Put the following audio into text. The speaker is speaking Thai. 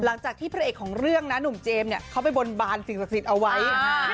หลังจากที่พระเอกของเรื่องนะหนุ่มเจมส์เนี่ยเขาไปบนบานสิ่งศักดิ์สิทธิ์เอาไว้